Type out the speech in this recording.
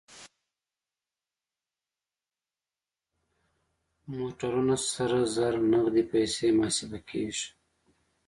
موټرونه سره زر نغدې پيسې محاسبه کېږي.